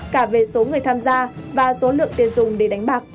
cả về số người tham gia và số lượng tiền dùng để đánh bạc